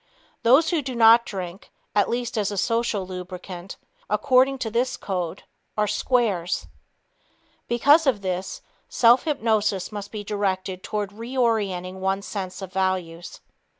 Those who do not drink, at least as a social lubricant, according to this code, are "squares." Because of this, self hypnosis must be directed toward reorienting one's sense of values.